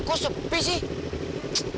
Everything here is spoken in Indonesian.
kok sepi sih